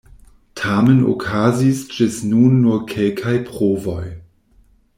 Tamen okazis ĝis nun nur kelkaj provoj.